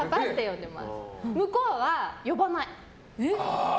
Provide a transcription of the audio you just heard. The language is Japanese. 向こうは、呼ばない。